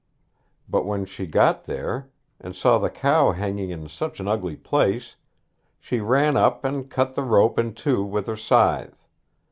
But when she got there and saw the cow hanging in such an ugly place, she ran up and cut the rope in two with her scythe.